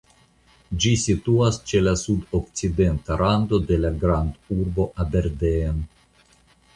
Ĝi situas ĉe la sudokcidenta rando de la grandurbo Aberdeen.